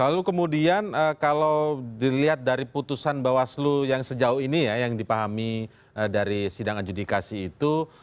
lalu kemudian kalau dilihat dari putusan bawaslu yang sejauh ini ya yang dipahami dari sidang adjudikasi itu